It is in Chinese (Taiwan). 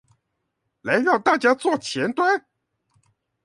來讓大家做前端